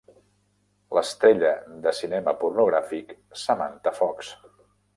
L'estrella de cinema pornogràfic Samantha Fox.